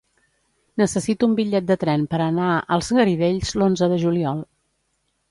Necessito un bitllet de tren per anar als Garidells l'onze de juliol.